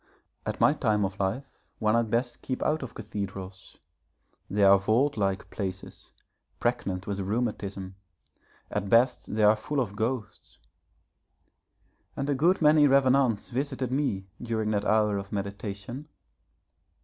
At my time of life one had best keep out of cathedrals; they are vault like places, pregnant with rheumatism at best they are full of ghosts. And a good many revenants visited me during that hour of meditation.